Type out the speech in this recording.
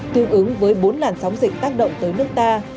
tương ứng với bốn làn sóng dịch tác động tới nước ta